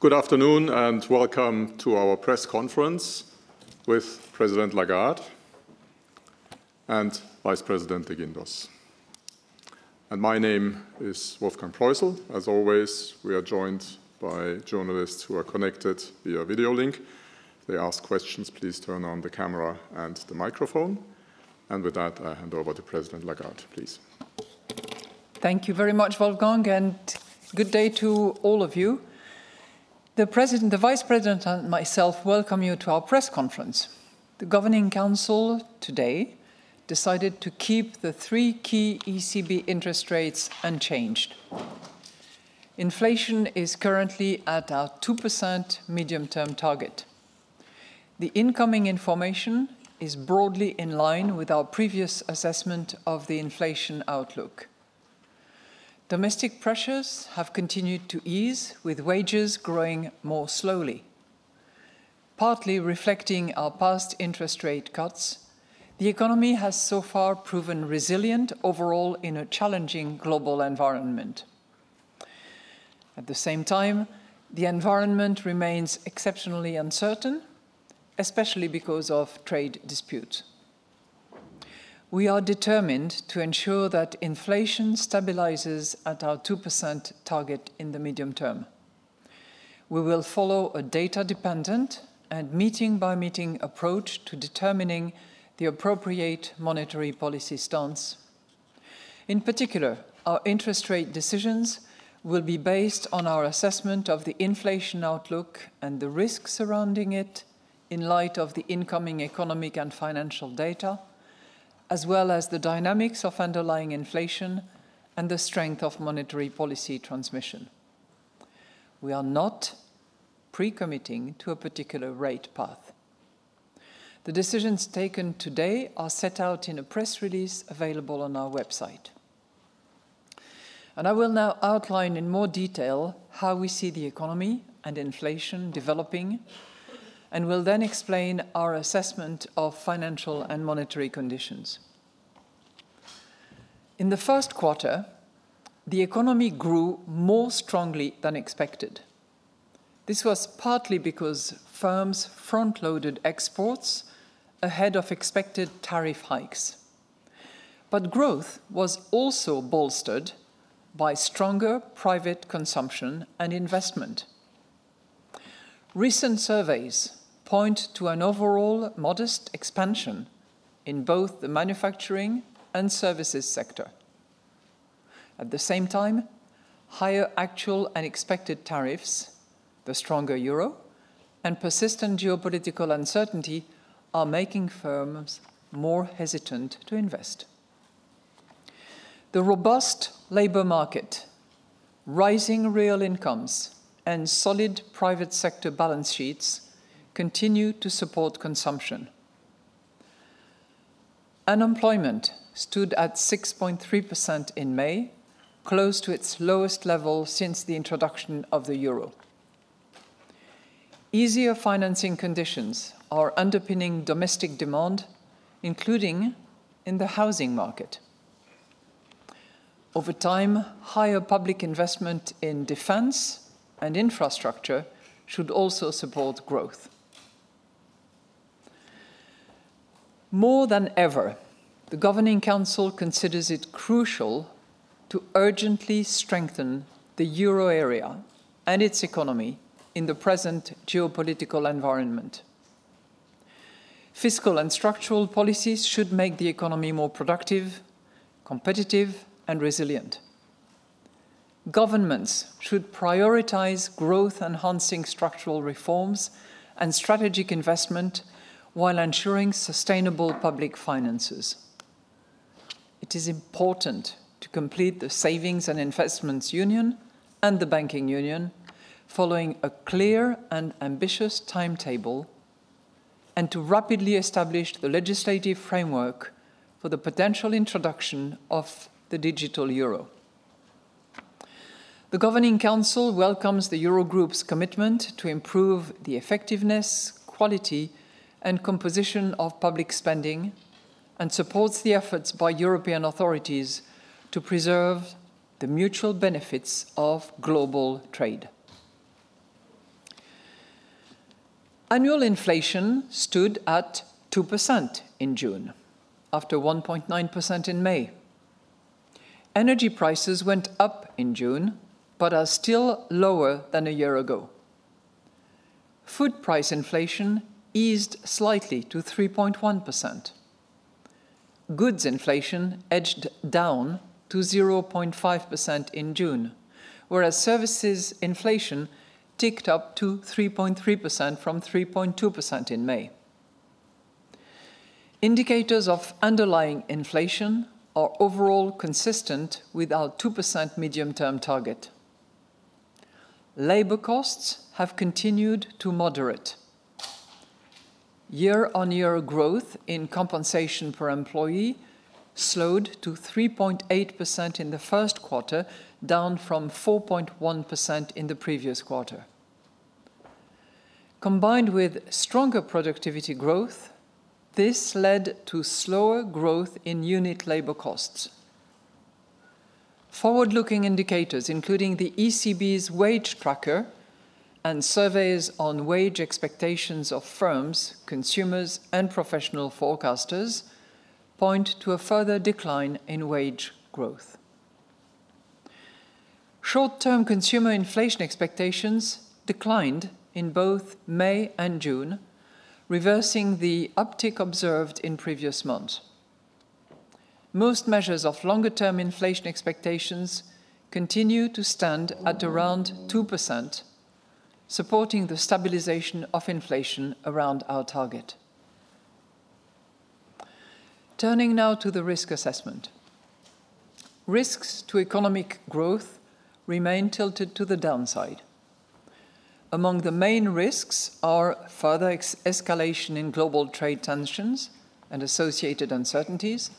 Good afternoon and welcome to our press conference with President Lagarde and Vice President de Guindos. My name is Wolfgang Proissl. As always, we are joined by journalists who are connected via video link. They ask questions. Please turn on the camera and the microphone. With that, I hand over to President Lagarde, please. Thank you very much, Wolfgang, and good day to all of you. The President, the Vice President, and myself welcome you to our press conference. The Governing Council today decided to keep the three key ECB interest rates unchanged. Inflation is currently at our 2% medium-term target. The incoming information is broadly in line with our previous assessment of the inflation outlook. Domestic pressures have continued to ease, with wages growing more slowly. Partly reflecting our past interest rate cuts, the economy has so far proven resilient overall in a challenging global environment. At the same time, the environment remains exceptionally uncertain, especially because of trade disputes. We are determined to ensure that inflation stabilizes at our 2% target in the medium term. We will follow a data-dependent and meeting-by-meeting approach to determining the appropriate monetary policy stance. In particular, our interest rate decisions will be based on our assessment of the inflation outlook and the risks surrounding it in light of the incoming economic and financial data, as well as the dynamics of underlying inflation and the strength of monetary policy transmission. We are not pre-committing to a particular rate path. The decisions taken today are set out in a press release available on our website. I will now outline in more detail how we see the economy and inflation developing, and will then explain our assessment of financial and monetary conditions. In the first quarter, the economy grew more strongly than expected. This was partly because firms front-loaded exports ahead of expected tariff hikes. Growth was also bolstered by stronger private consumption and investment. Recent surveys point to an overall modest expansion in both the manufacturing and services sector. At the same time, higher actual and expected tariffs, the stronger euro, and persistent geopolitical uncertainty are making firms more hesitant to invest. The robust labor market, rising real incomes, and solid private sector balance sheets continue to support consumption. Unemployment stood at 6.3% in May, close to its lowest level since the introduction of the euro. Easier financing conditions are underpinning domestic demand, including in the housing market. Over time, higher public investment in defense and infrastructure should also support growth. More than ever, the Governing Council considers it crucial to urgently strengthen the euro area and its economy in the present geopolitical environment. Fiscal and structural policies should make the economy more productive, competitive, and resilient. Governments should prioritize growth-enhancing structural reforms and strategic investment while ensuring sustainable public finances. It is important to complete the Savings and Investments Union and the Banking Union, following a clear and ambitious timetable, and to rapidly establish the legislative framework for the potential introduction of the digital euro. The Governing Council welcomes the Eurogroup's commitment to improve the effectiveness, quality, and composition of public spending, and supports the efforts by European authorities to preserve the mutual benefits of global trade. Annual inflation stood at 2% in June, after 1.9% in May. Energy prices went up in June, but are still lower than a year ago. Food price inflation eased slightly to 3.1%. Goods inflation edged down to 0.5% in June, whereas services inflation ticked up to 3.3% from 3.2% in May. Indicators of underlying inflation are overall consistent with our 2% medium-term target. Labor costs have continued to moderate. Year-on-year growth in compensation per employee slowed to 3.8% in the first quarter, down from 4.1% in the previous quarter. Combined with stronger productivity growth, this led to slower growth in unit labor costs. Forward-looking indicators, including the ECB's wage tracker and surveys on wage expectations of firms, consumers, and professional forecasters, point to a further decline in wage growth. Short-term consumer inflation expectations declined in both May and June, reversing the uptick observed in previous months. Most measures of longer-term inflation expectations continue to stand at around 2%, supporting the stabilization of inflation around our target. Turning now to the risk assessment. Risks to economic growth remain tilted to the downside. Among the main risks are further escalation in global trade tensions and associated uncertainties,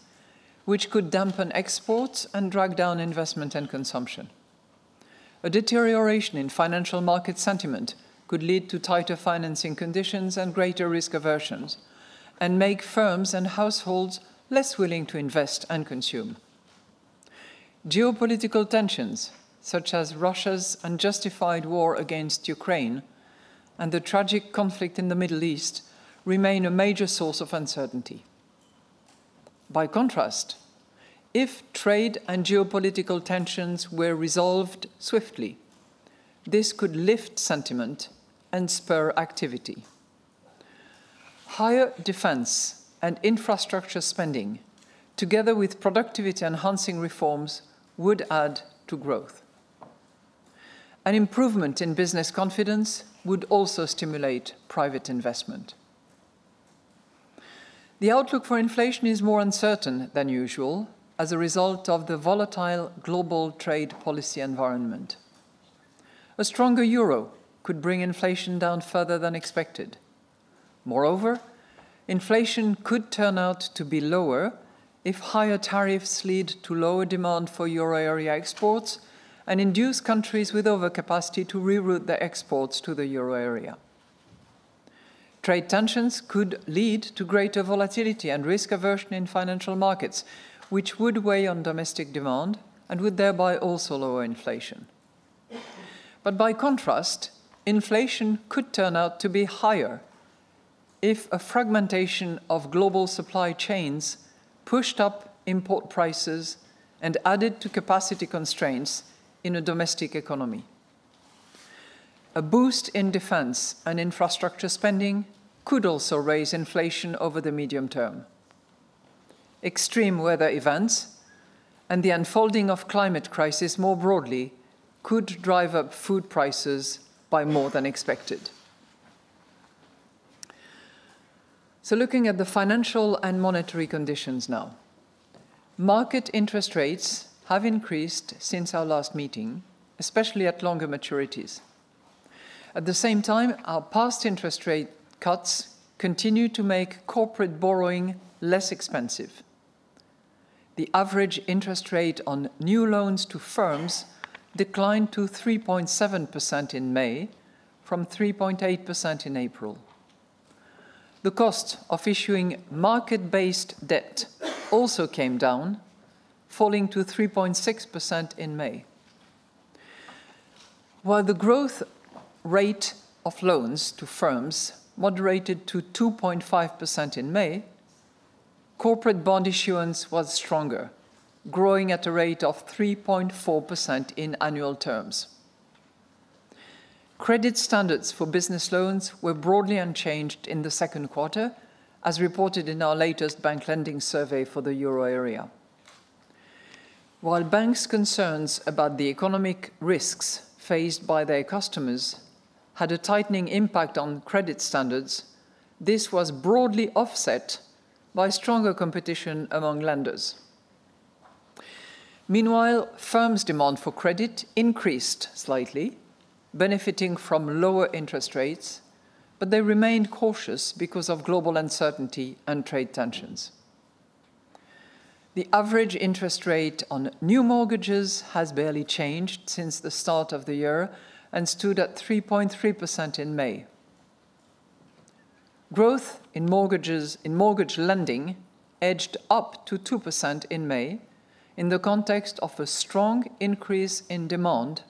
which could dampen exports and drag down investment and consumption. A deterioration in financial market sentiment could lead to tighter financing conditions and greater risk aversions, and make firms and households less willing to invest and consume. Geopolitical tensions, such as Russia's unjustified war against Ukraine and the tragic conflict in the Middle East, remain a major source of uncertainty. By contrast, if trade and geopolitical tensions were resolved swiftly, this could lift sentiment and spur activity. Higher defense and infrastructure spending, together with productivity-enhancing reforms, would add to growth. An improvement in business confidence would also stimulate private investment. The outlook for inflation is more uncertain than usual as a result of the volatile global trade policy environment. A stronger euro could bring inflation down further than expected. Moreover, inflation could turn out to be lower if higher tariffs lead to lower demand for euro area exports and induce countries with overcapacity to reroute their exports to the euro area. Trade tensions could lead to greater volatility and risk aversion in financial markets, which would weigh on domestic demand and would thereby also lower inflation. By contrast, inflation could turn out to be higher if a fragmentation of global supply chains pushed up import prices and added to capacity constraints in a domestic economy. A boost in defense and infrastructure spending could also raise inflation over the medium term. Extreme weather events and the unfolding of climate crises more broadly could drive up food prices by more than expected. Looking at the financial and monetary conditions now, market interest rates have increased since our last meeting, especially at longer maturities. At the same time, our past interest rate cuts continue to make corporate borrowing less expensive. The average interest rate on new loans to firms declined to 3.7% in May, from 3.8% in April. The cost of issuing market-based debt also came down, falling to 3.6% in May. While the growth rate of loans to firms moderated to 2.5% in May, corporate bond issuance was stronger, growing at a rate of 3.4% in annual terms. Credit standards for business loans were broadly unchanged in the second quarter, as reported in our latest bank lending survey for the euro area. While banks' concerns about the economic risks faced by their customers had a tightening impact on credit standards, this was broadly offset by stronger competition among lenders. Meanwhile, firms' demand for credit increased slightly, benefiting from lower interest rates, but they remain cautious because of global uncertainty and trade tensions. The average interest rate on new mortgages has barely changed since the start of the year and stood at 3.3% in May. Growth in mortgage lending edged up to 2% in May, in the context of a strong increase in demand,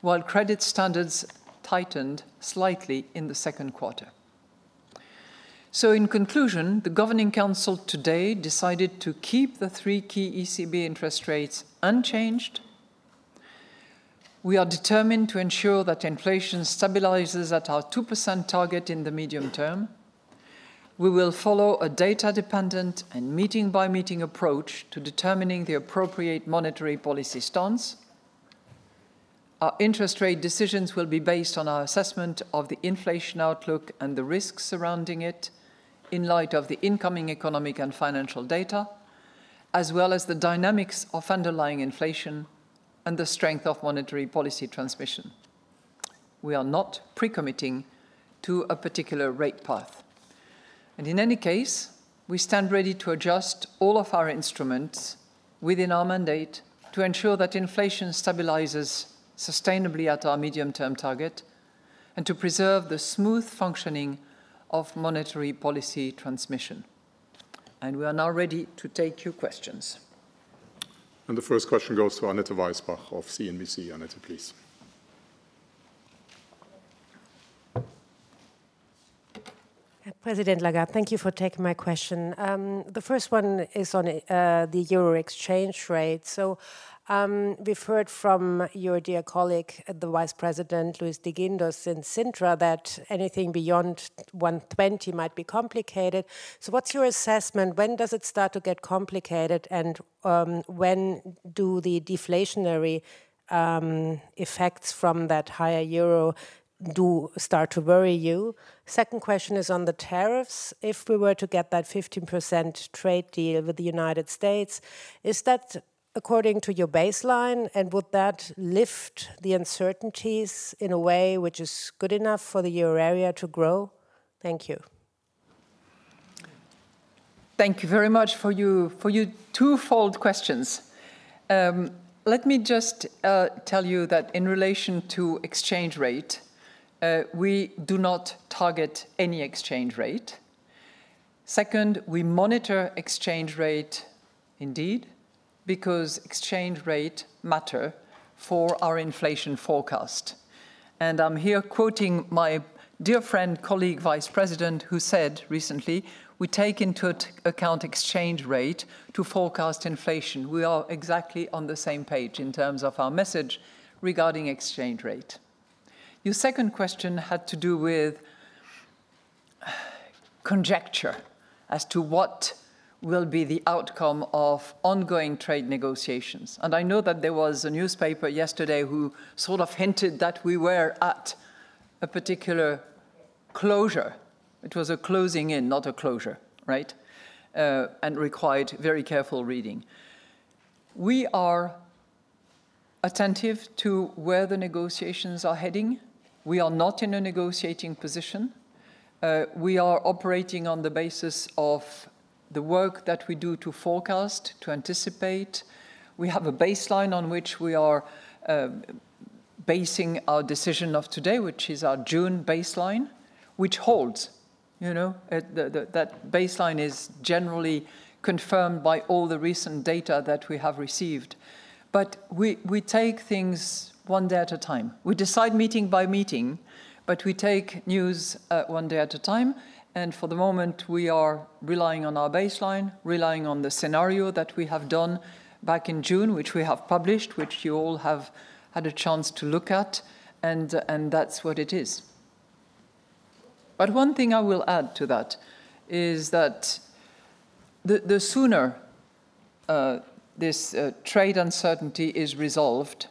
while credit standards tightened slightly in the second quarter. In conclusion, the Governing Council today decided to keep the three key ECB interest rates unchanged. We are determined to ensure that inflation stabilizes at our 2% target in the medium term. We will follow a data-dependent and meeting-by-meeting approach to determining the appropriate monetary policy stance. Our interest rate decisions will be based on our assessment of the inflation outlook and the risks surrounding it in light of the incoming economic and financial data, as well as the dynamics of underlying inflation and the strength of monetary policy transmission. We are not pre-committing to a particular rate path. In any case, we stand ready to adjust all of our instruments within our mandate to ensure that inflation stabilizes sustainably at our medium-term target and to preserve the smooth functioning of monetary policy transmission. We are now ready to take your questions. The first question goes to Annette Weisbach of CNBC. Anita, please. President Lagarde, thank you for taking my question. The first one is on the euro exchange rate. We've heard from your dear colleague, the Vice President, Luis de Guindos, in Sintra, that anything beyond 1.20 might be complicated. What's your assessment? When does it start to get complicated, and when do the deflationary effects from that higher euro start to worry you? The second question is on the tariffs. If we were to get that 15% trade deal with the United States, is that according to your baseline, and would that lift the uncertainties in a way which is good enough for the euro area to grow? Thank you. Thank you very much for your twofold questions. Let me just tell you that in relation to the exchange rate, we do not target any exchange rate. Second, we monitor the exchange rate indeed because exchange rates matter for our inflation forecast. I'm here quoting my dear friend, colleague Vice President, who said recently, "We take into account the exchange rate to forecast inflation." We are exactly on the same page in terms of our message regarding the exchange rate. Your second question had to do with conjecture as to what will be the outcome of ongoing trade negotiations. I know that there was a newspaper yesterday who sort of hinted that we were at a particular closure. It was a closing in, not a closure, right? It required very careful reading. We are attentive to where the negotiations are heading. We are not in a negotiating position. We are operating on the basis of the work that we do to forecast, to anticipate. We have a baseline on which we are basing our decision of today, which is our June baseline, which holds. That baseline is generally confirmed by all the recent data that we have received. We take things one day at a time. We decide meeting by meeting, but we take news one day at a time. For the moment, we are relying on our baseline, relying on the scenario that we have done back in June, which we have published, which you all have had a chance to look at. That's what it is. One thing I will add to that is that the sooner this trade uncertainty is resolved,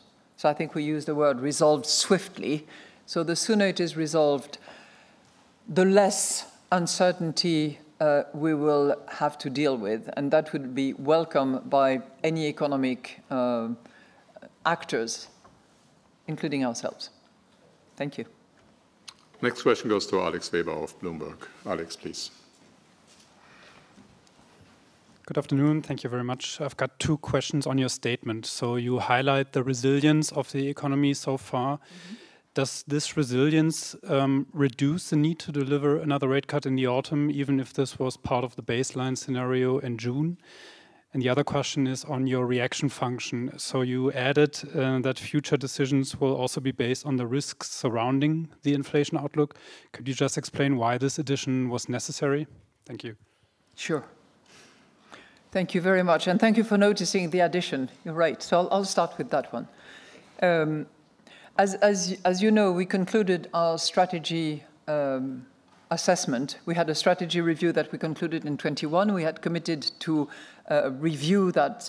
I think we use the word resolved swiftly, the sooner it is resolved, the less uncertainty we will have to deal with. That would be welcomed by any economic actors, including ourselves. Thank you. Next question goes to Alex Webb of Bloomberg. Alex, please. Good afternoon. Thank you very much. I've got two questions on your statement. You highlight the resilience of the economy so far. Does this resilience reduce the need to deliver another rate cut in the autumn, even if this was part of the baseline scenario in June? The other question is on your reaction function. You added that future decisions will also be based on the risks surrounding the inflation outlook. Could you just explain why this addition was necessary? Thank you. Sure. Thank you very much. Thank you for noticing the addition. Right. I'll start with that one. As you know, we concluded our strategy assessment. We had a strategy review that we concluded in 2021. We had committed to review that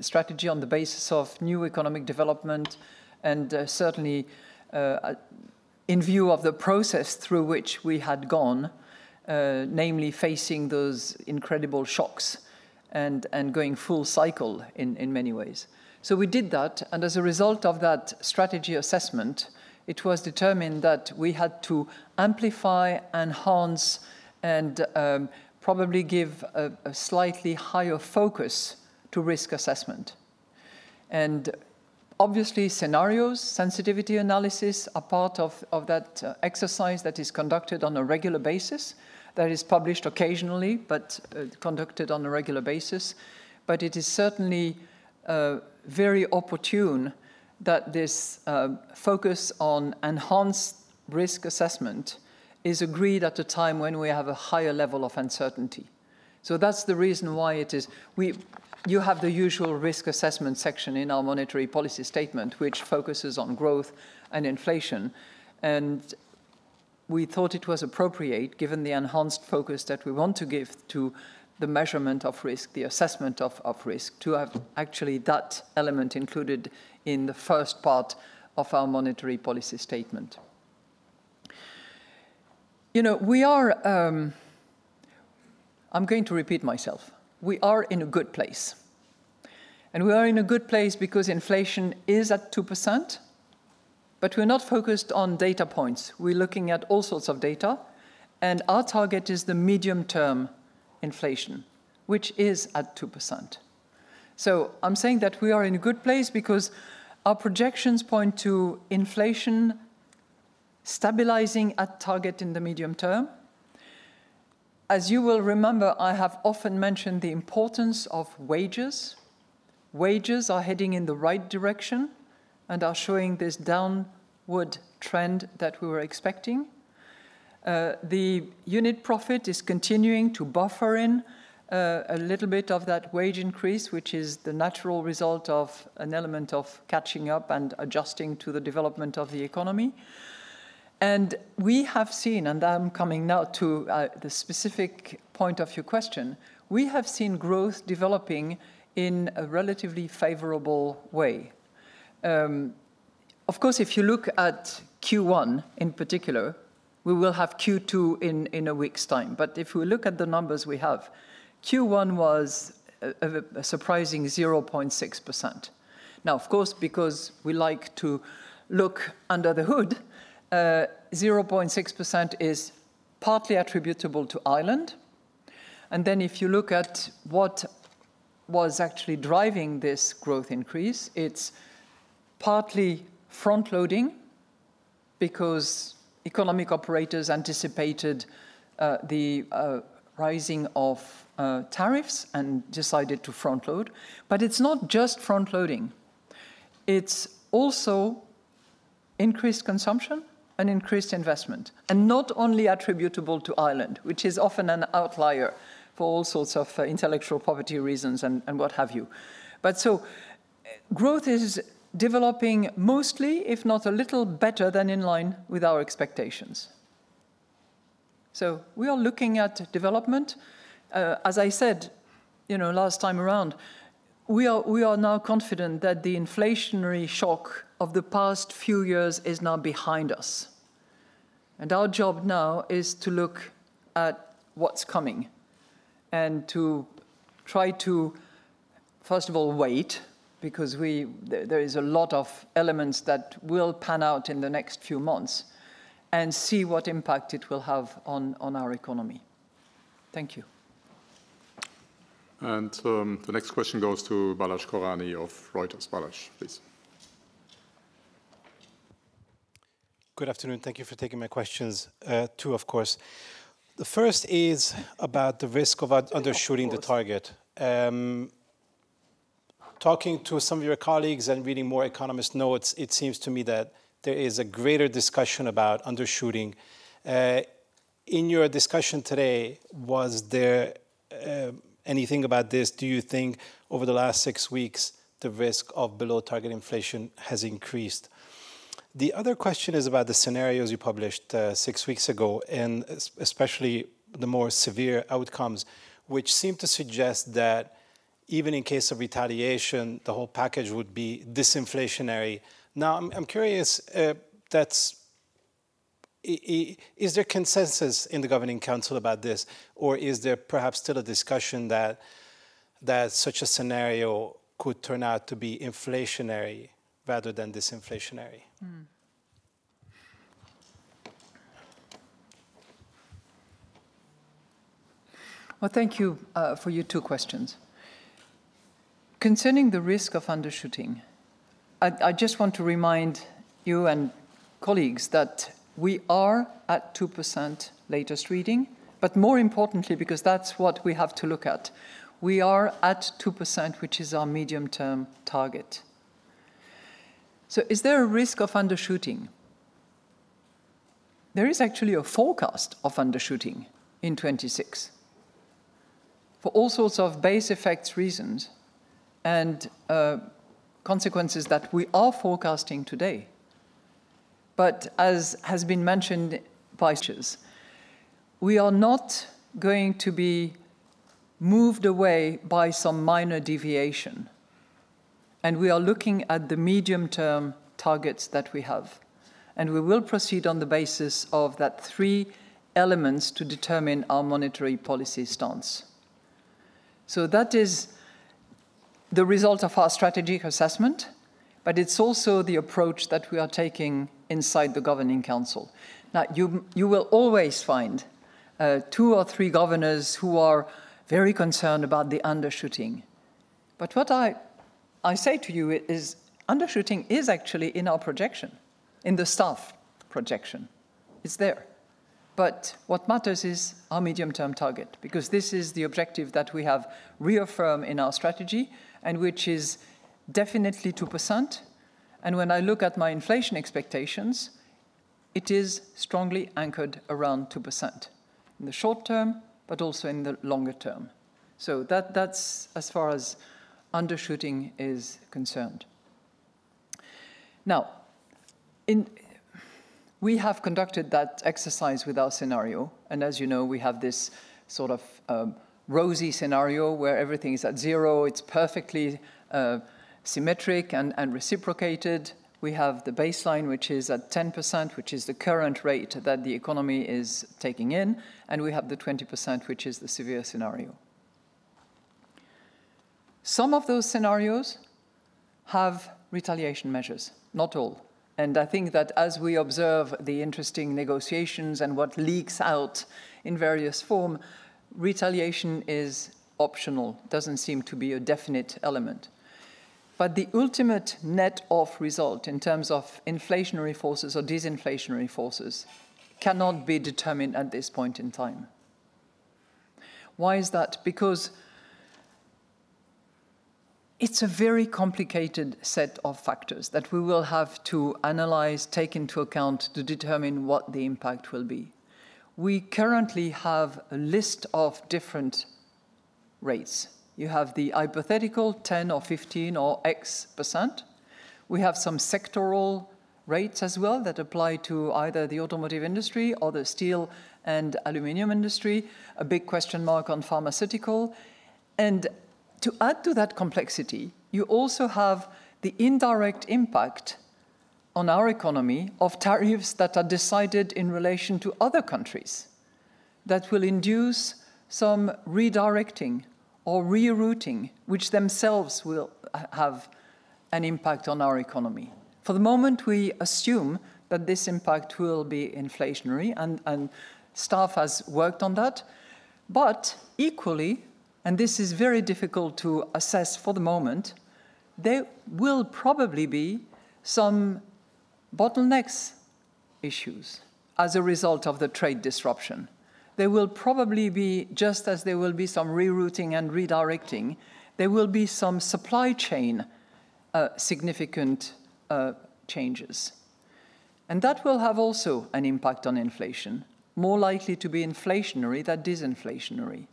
strategy on the basis of new economic development and certainly in view of the process through which we had gone, namely facing those incredible shocks and going full cycle in many ways. We did that. As a result of that strategy assessment, it was determined that we had to amplify, enhance, and probably give a slightly higher focus to risk assessment. Obviously, scenarios and sensitivity analysis are part of that exercise that is conducted on a regular basis, that is published occasionally, but conducted on a regular basis. It is certainly very opportune that this focus on enhanced risk assessment is agreed at a time when we have a higher level of uncertainty. That's the reason why it is. You have the usual risk assessment section in our monetary policy statement, which focuses on growth and inflation. We thought it was appropriate, given the enhanced focus that we want to give to the measurement of risk, the assessment of risk, to have actually that element included in the first part of our monetary policy statement. You know, I'm going to repeat myself, we are in a good place. We are in a good place because inflation is at 2%, but we're not focused on data points. We're looking at all sorts of data. Our target is the medium-term inflation, which is at 2%. I'm saying that we are in a good place because our projections point to inflation stabilizing at target in the medium term. As you will remember, I have often mentioned the importance of wages. Wages are heading in the right direction and are showing this downward trend that we were expecting. The unit profit is continuing to buffer in a little bit of that wage increase, which is the natural result of an element of catching up and adjusting to the development of the economy. We have seen, and I'm coming now to the specific point of your question, we have seen growth developing in a relatively favorable way. Of course, if you look at Q1 in particular, we will have Q2 in a week's time. If we look at the numbers we have, Q1 was a surprising 0.6%. Of course, because we like to look under the hood, 0.6% is partly attributable to Ireland. If you look at what was actually driving this growth increase, it's partly front-loading because economic operators anticipated the rising of tariffs and decided to front-load. It's not just front-loading. It's also increased consumption and increased investment, and not only attributable to Ireland, which is often an outlier for all sorts of intellectual property reasons and what have you. Growth is developing mostly, if not a little better than in line with our expectations. We are looking at development. As I said last time around, we are now confident that the inflationary shock of the past few years is now behind us. Our job now is to look at what's coming and to try to, first of all, wait because there are a lot of elements that will pan out in the next few months and see what impact it will have on our economy. Thank you. The next question goes to Balázs Korányi of Reuters. Balázs, please. Good afternoon. Thank you for taking my questions, two, of course. The first is about the risk of undershooting the target. Talking to some of your colleagues and reading more economist notes, it seems to me that there is a greater discussion about undershooting. In your discussion today, was there anything about this? Do you think over the last six weeks, the risk of below-target inflation has increased? The other question is about the scenarios you published six weeks ago, and especially the more severe outcomes, which seem to suggest that even in case of retaliation, the whole package would be disinflationary. Now, I'm curious, is there consensus in the Governing Council about this, or is there perhaps still a discussion that such a scenario could turn out to be inflationary rather than disinflationary? Thank you for your two questions. Concerning the risk of undershooting, I just want to remind you and colleagues that we are at 2% latest reading, but more importantly, because that's what we have to look at. We are at 2%, which is our medium-term target. Is there a risk of undershooting? There is actually a forecast of undershooting in 2026 for all sorts of base effects reasons and consequences that we are forecasting today. As has been mentioned, we are not going to be moved away by some minor deviation. We are looking at the medium-term targets that we have, and we will proceed on the basis of that three elements to determine our monetary policy stance. That is the result of our strategic assessment, but it's also the approach that we are taking inside the Governing Council. You will always find two or three governors who are very concerned about the undershooting. What I say to you is, undershooting is actually in our projection, in the staff projection. It's there. What matters is our medium-term target, because this is the objective that we have reaffirmed in our strategy, and which is definitely 2%. When I look at my inflation expectations, it is strongly anchored around 2% in the short term, but also in the longer term. That's as far as undershooting is concerned. We have conducted that exercise with our scenario. As you know, we have this sort of rosy scenario where everything is at zero. It's perfectly symmetric and reciprocated. We have the baseline, which is at 10%, which is the current rate that the economy is taking in. We have the 20%, which is the severe scenario. Some of those scenarios have retaliation measures, not all. I think that as we observe the interesting negotiations and what leaks out in various forms, retaliation is optional. It doesn't seem to be a definite element. The ultimate net of result in terms of inflationary forces or disinflationary forces cannot be determined at this point in time. Why is that? Because it's a very complicated set of factors that we will have to analyze, take into account to determine what the impact will be. We currently have a list of different rates. You have the hypothetical 10% or 15% or X%. We have some sectoral rates as well that apply to either the automotive industry or the steel and aluminum industry, a big question mark on pharmaceutical. To add to that complexity, you also have the indirect impact on our economy of tariffs that are decided in relation to other countries that will induce some redirecting or rerouting, which themselves will have an impact on our economy. For the moment, we assume that this impact will be inflationary, and staff has worked on that. Equally, and this is very difficult to assess for the moment, there will probably be some bottleneck issues as a result of the trade disruption. There will probably be, just as there will be some rerouting and redirecting, some supply chain significant changes. That will also have an impact on inflation, more likely to be inflationary than disinflationary.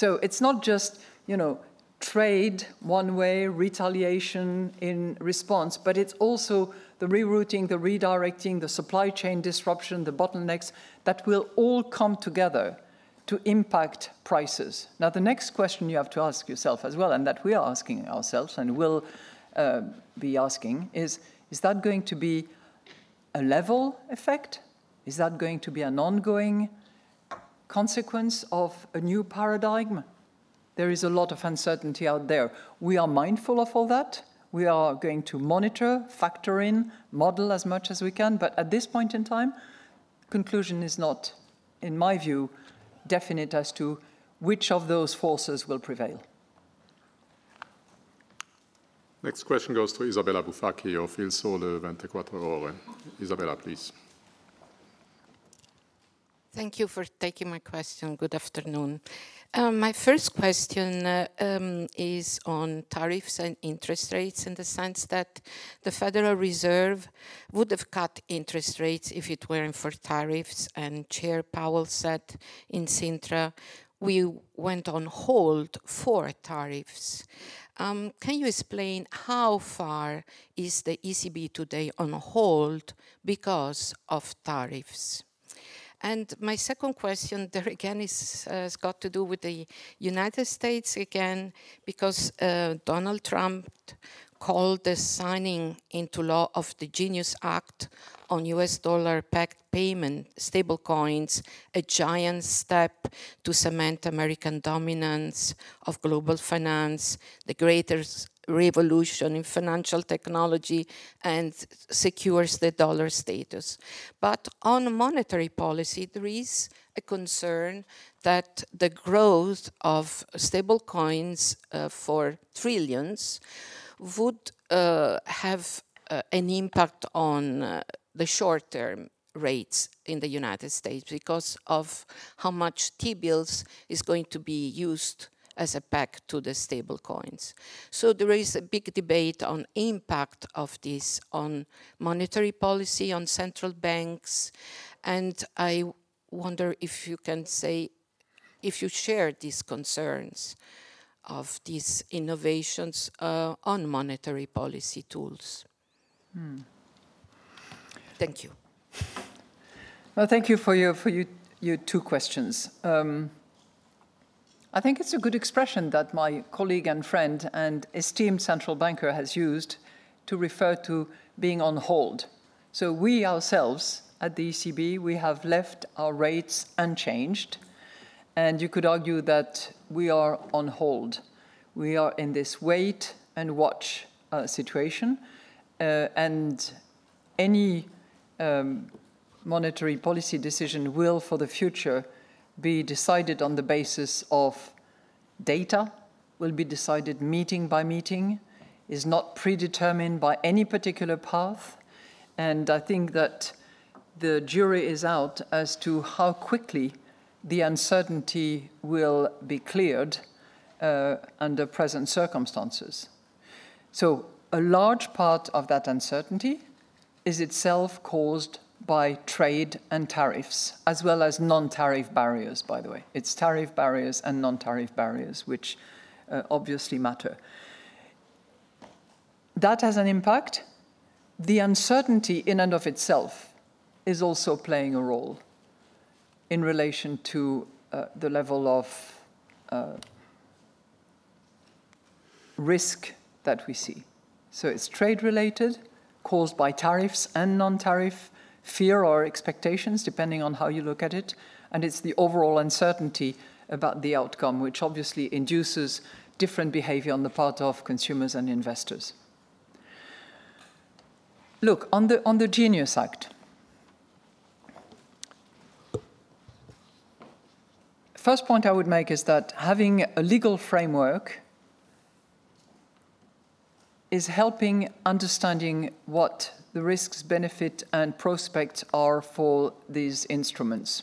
It is not just, you know, trade one way, retaliation in response, but also the rerouting, the redirecting, the supply chain disruption, the bottlenecks that will all come together to impact prices. The next question you have to ask yourself as well, and that we are asking ourselves and will be asking, is, is that going to be a level effect? Is that going to be an ongoing consequence of a new paradigm? There is a lot of uncertainty out there. We are mindful of all that. We are going to monitor, factor in, model as much as we can. At this point in time, the conclusion is not, in my view, definite as to which of those forces will prevail. Next question goes to Isabella Bufacchi of IlSole24Ore. Isabella, please. Thank you for taking my question. Good afternoon. My first question is on tariffs and interest rates in the sense that the Federal Reserve would have cut interest rates if it weren't for tariffs. Chair Powell said in Sintra, we went on hold for tariffs. Can you explain how far is the ECB today on hold because of tariffs? My second question there again has got to do with the United States again, because Donald Trump called the signing into law of the Genius Act on US dollar-backed payment stablecoins a giant step to cement American dominance of global finance, the greater revolution in financial technology, and secures the dollar status. On monetary policy, there is a concern that the growth of stablecoins for trillions would have an impact on the short-term rates in the United States because of how much T-bills are going to be used as a back to the stablecoins. There is a big debate on the impact of this on monetary policy, on central banks. I wonder if you can say if you share these concerns of these innovations on monetary policy tools. Thank you. Thank you for your two questions. I think it's a good expression that my colleague and friend and esteemed central banker has used to refer to being on hold. We ourselves at the ECB have left our rates unchanged. You could argue that we are on hold. We are in this wait-and-watch situation. Any monetary policy decision will, for the future, be decided on the basis of data, will be decided meeting by meeting, is not predetermined by any particular path. I think that the jury is out as to how quickly the uncertainty will be cleared under present circumstances. A large part of that uncertainty is itself caused by trade and tariffs, as well as non-tariff barriers, by the way. It's tariff barriers and non-tariff barriers, which obviously matter. That has an impact. The uncertainty in and of itself is also playing a role in relation to the level of risk that we see. It's trade-related, caused by tariffs and non-tariff fear or expectations, depending on how you look at it. It's the overall uncertainty about the outcome, which obviously induces different behavior on the part of consumers and investors. Look, on the Genius Act, the first point I would make is that having a legal framework is helping understanding what the risks, benefits, and prospects are for these instruments.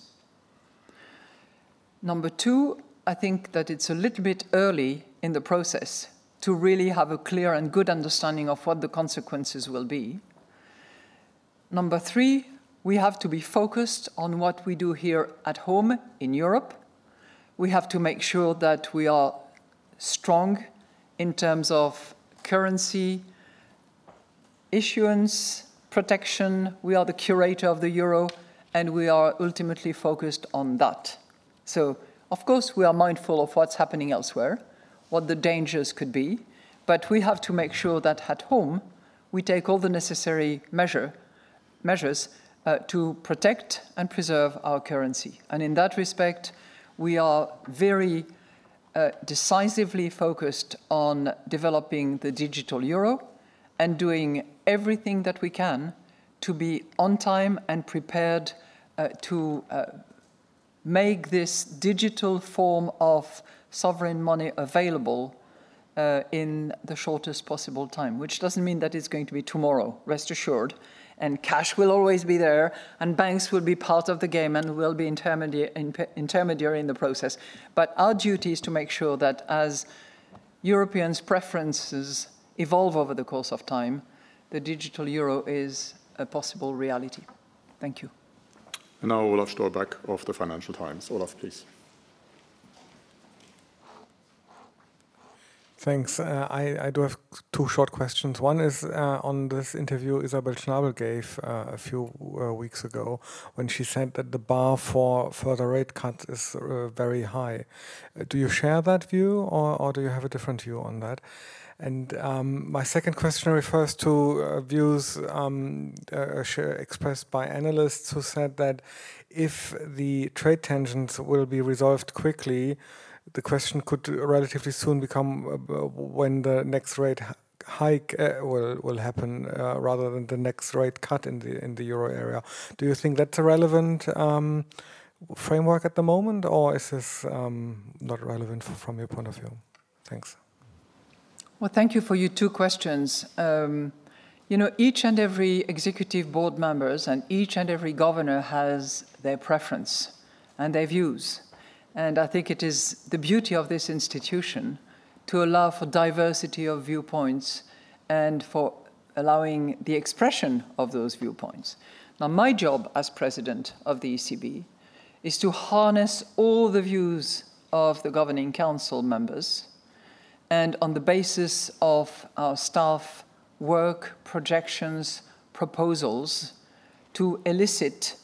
Number two, I think that it's a little bit early in the process to really have a clear and good understanding of what the consequences will be. Number three, we have to be focused on what we do here at home in Europe. We have to make sure that we are strong in terms of currency issuance, protection. We are the curator of the euro, and we are ultimately focused on that. Of course, we are mindful of what's happening elsewhere, what the dangers could be. We have to make sure that at home, we take all the necessary measures to protect and preserve our currency. In that respect, we are very decisively focused on developing the digital euro and doing everything that we can to be on time and prepared to make this digital form of sovereign money available in the shortest possible time, which doesn't mean that it's going to be tomorrow, rest assured. Cash will always be there, and banks will be part of the game and will be intermediary in the process. Our duty is to make sure that as Europeans' preferences evolve over the course of time, the digital euro is a possible reality. Thank you. Now, Olaf Storbeck of the Financial Times. Olaf, please. Thanks. I do have two short questions. One is on this interview Isabel Schnabel gave a few weeks ago when she said that the bar for further rate cuts is very high. Do you share that view, or do you have a different view on that? My second question refers to views expressed by analysts who said that if the trade tensions will be resolved quickly, the question could relatively soon become when the next rate hike will happen rather than the next rate cut in the euro area. Do you think that's a relevant framework at the moment, or is this not relevant from your point of view? Thanks. Thank you for your two questions. Each and every Executive Board member and each and every governor has their preference and their views. I think it is the beauty of this institution to allow for diversity of viewpoints and for allowing the expression of those viewpoints. My job as President of the ECB is to harness all the views of the Governing Council members and, on the basis of our staff work, projections, proposals, to elicit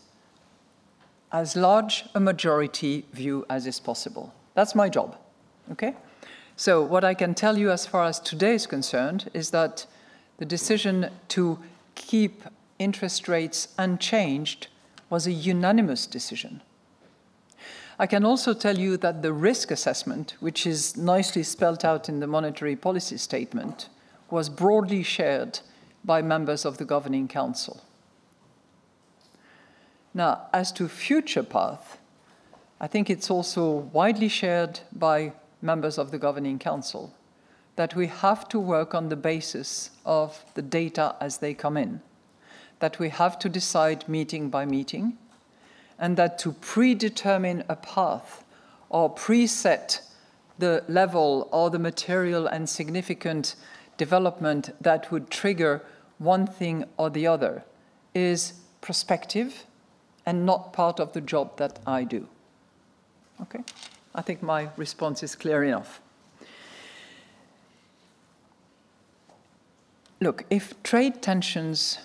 as large a majority view as is possible. That's my job. What I can tell you as far as today is concerned is that the decision to keep interest rates unchanged was a unanimous decision. I can also tell you that the risk assessment, which is nicely spelled out in the monetary policy statement, was broadly shared by members of the Governing Council. As to the future path, I think it's also widely shared by members of the Governing Council that we have to work on the basis of the data as they come in, that we have to decide meeting by meeting, and that to predetermine a path or preset the level or the material and significant development that would trigger one thing or the other is prospective and not part of the job that I do. I think my response is clear enough. If trade tensions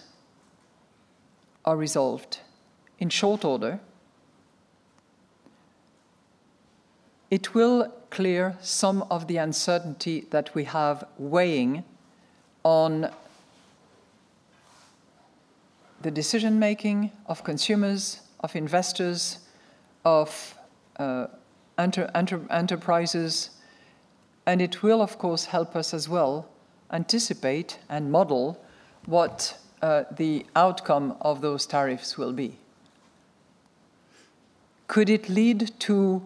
are resolved in short order, it will clear some of the uncertainty that we have weighing on the decision-making of consumers, of investors, of enterprises. It will, of course, help us as well anticipate and model what the outcome of those tariffs will be. Could it lead to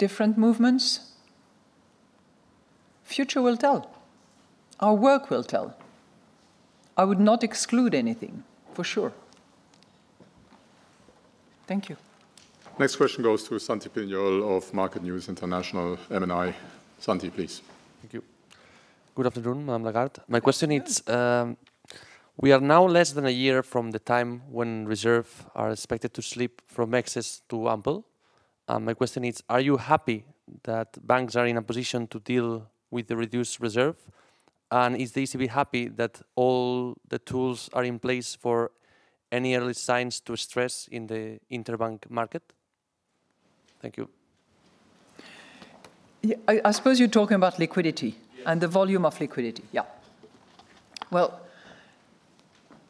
different movements? The future will tell. Our work will tell. I would not exclude anything for sure. Thank you. Next question goes to Santi Piñol of Market News International MNI. Santi, please. Thank you. Good afternoon, Lagarde. My question is, we are now less than a year from the time when reserves are expected to slip from excess to ample. My question is, are you happy that banks are in a position to deal with the reduced reserve? Is the ECB happy that all the tools are in place for any early signs to stress in the interbank market? Thank you. I suppose you're talking about liquidity and the volume of liquidity.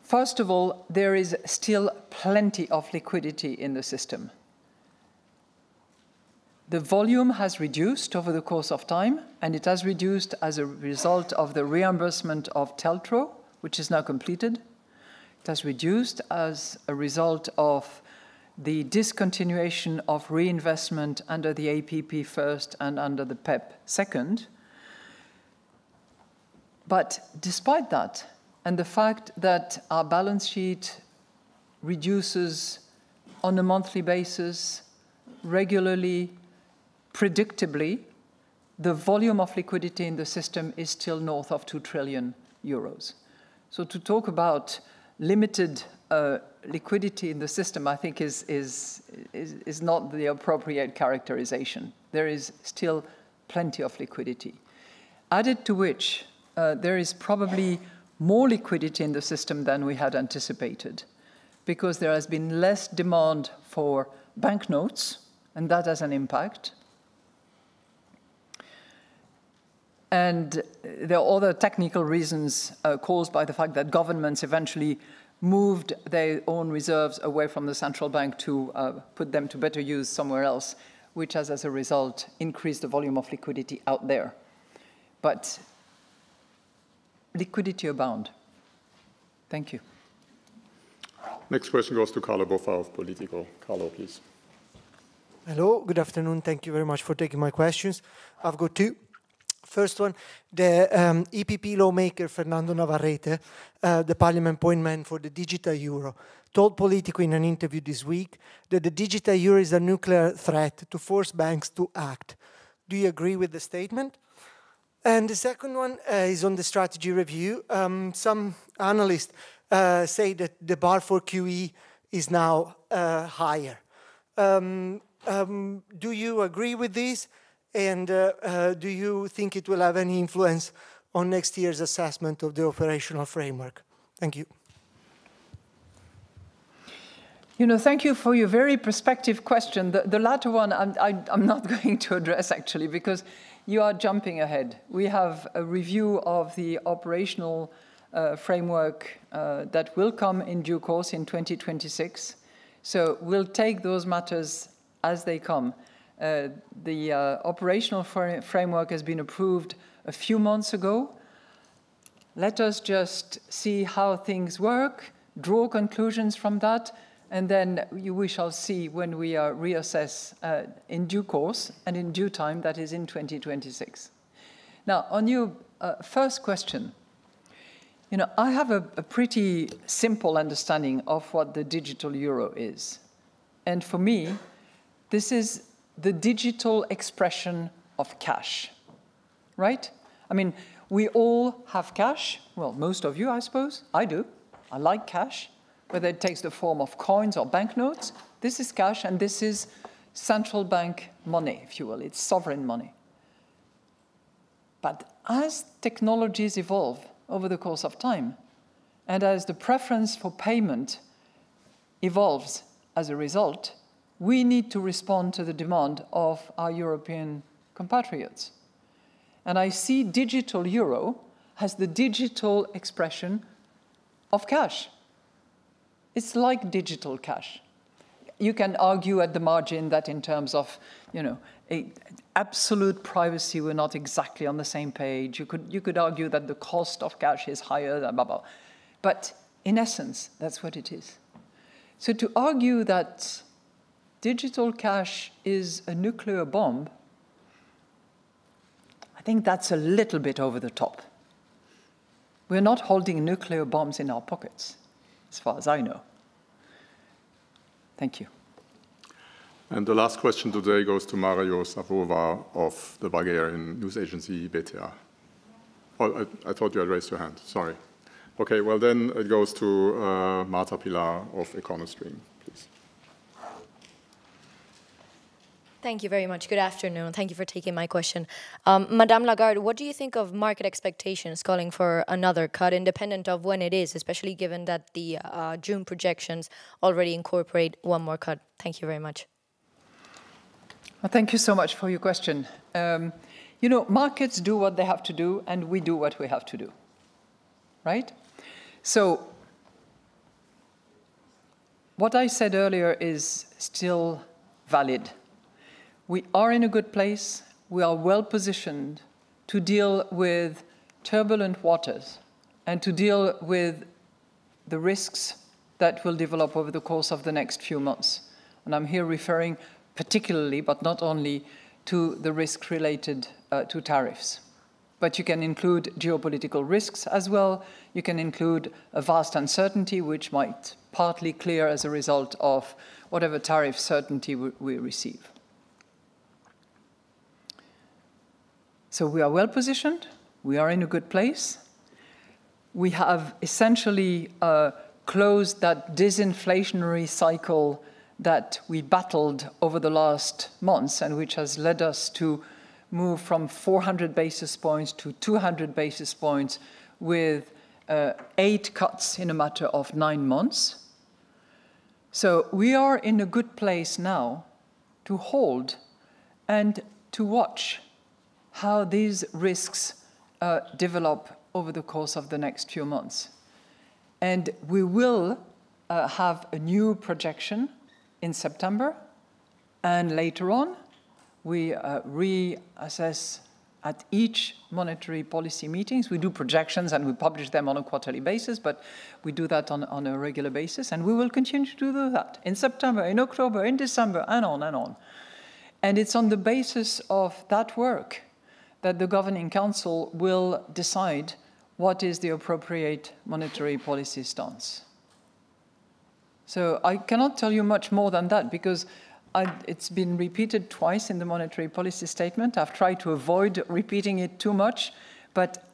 First of all, there is still plenty of liquidity in the system. The volume has reduced over the course of time, and it has reduced as a result of the reimbursement of TLTRO, which is now completed. It has reduced as a result of the discontinuation of reinvestment under the APP first and under the PEP second. Despite that, and the fact that our balance sheet reduces on a monthly basis regularly, predictably, the volume of liquidity in the system is still north of 2 trillion euros. To talk about limited liquidity in the system, I think is not the appropriate characterization. There is still plenty of liquidity. Added to which, there is probably more liquidity in the system than we had anticipated because there has been less demand for banknotes, and that has an impact. There are other technical reasons caused by the fact that governments eventually moved their own reserves away from the central bank to put them to better use somewhere else, which has, as a result, increased the volume of liquidity out there. Liquidity abounds. Thank you. Next question goes to Carlo Boffa of Politico. Carlo, please. Hello. Good afternoon. Thank you very much for taking my questions. I've got two. First one, the EPP lawmaker Fernando Navarrete, the Parliament appointment for the digital euro, told Politico in an interview this week that the digital euro is a nuclear threat to force banks to act. Do you agree with the statement? The second one is on the strategy review. Some analysts say that the bar for QE is now higher. Do you agree with this, and do you think it will have any influence on next year's assessment of the operational framework? Thank you. Thank you for your very perspective question. The latter one I'm not going to address, actually, because you are jumping ahead. We have a review of the operational framework that will come in due course in 2026. We'll take those matters as they come. The operational framework has been approved a few months ago. Let us just see how things work, draw conclusions from that, and then we shall see when we reassess in due course and in due time, that is in 2026. Now, on your first question, I have a pretty simple understanding of what the digital euro is. For me, this is the digital expression of cash, right? I mean, we all have cash. Most of you, I suppose. I do. I like cash, whether it takes the form of coins or banknotes. This is cash, and this is central bank money, if you will. It's sovereign money. As technologies evolve over the course of time, and as the preference for payment evolves as a result, we need to respond to the demand of our European compatriots. I see the digital euro as the digital expression of cash. It's like digital cash. You can argue at the margin that in terms of absolute privacy, we're not exactly on the same page. You could argue that the cost of cash is higher, blah, blah, blah. In essence, that's what it is. To argue that digital cash is a nuclear bomb, I think that's a little bit over the top. We're not holding nuclear bombs in our pockets, as far as I know. Thank you. The last question today goes to Mario Szabóvar of the Bulgarian News Agency, BTA. I thought you had raised your hand. Sorry. Okay, it goes to Marta Vilar of Econostream, please. Thank you very much. Good afternoon. Thank you for taking my question. Madame Lagarde, what do you think of market expectations calling for another cut, independent of when it is, especially given that the June projections already incorporate one more cut? Thank you very much. Thank you so much for your question. You know, markets do what they have to do, and we do what we have to do, right? What I said earlier is still valid. We are in a good place. We are well positioned to deal with turbulent waters and to deal with the risks that will develop over the course of the next few months. I'm here referring particularly, but not only, to the risks related to tariffs. You can include geopolitical risks as well. You can include a vast uncertainty, which might partly clear as a result of whatever tariff certainty we receive. We are well positioned. We are in a good place. We have essentially closed that disinflationary cycle that we battled over the last months, which has led us to move from 400 basis points to 200 basis points with eight cuts in a matter of nine months. We are in a good place now to hold and to watch how these risks develop over the course of the next few months. We will have a new projection in September. Later on, we reassess at each monetary policy meeting. We do projections, and we publish them on a quarterly basis, but we do that on a regular basis. We will continue to do that in September, in October, in December, and on and on. It's on the basis of that work that the Governing Council will decide what is the appropriate monetary policy stance. I cannot tell you much more than that because it's been repeated twice in the monetary policy statement. I've tried to avoid repeating it too much.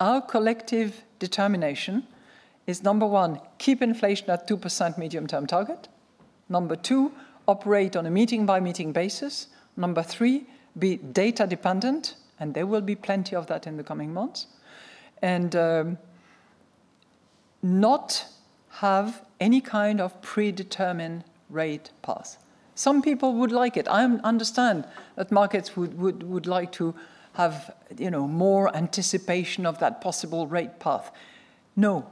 Our collective determination is, number one, keep inflation at 2% medium-term target. Number two, operate on a meeting-by-meeting basis. Number three, be data-dependent, and there will be plenty of that in the coming months. Not have any kind of predetermined rate path. Some people would like it. I understand that markets would like to have more anticipation of that possible rate path. No,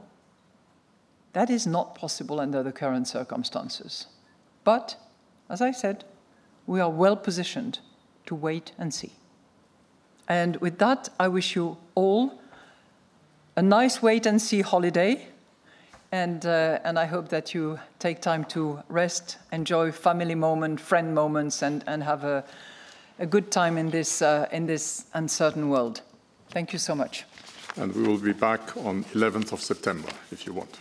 that is not possible under the current circumstances. As I said, we are well positioned to wait and see. With that, I wish you all a nice wait-and-see holiday. I hope that you take time to rest, enjoy family moments, friend moments, and have a good time in this uncertain world. Thank you so much. We will be back on 11th of September, if you want.